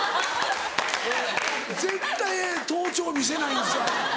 絶対頭頂見せないんですよ。